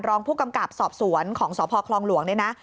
รองผู้กำกับสอบสวนของสพคลองหลวงเนี่ยนะ